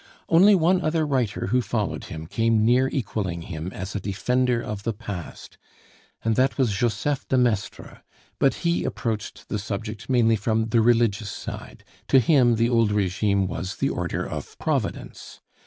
Only one other writer who followed him came near equaling him as a defender of the past, and that was Joseph de Maistre; but he approached the subject mainly from the religious side. To him the old régime was the order of Providence.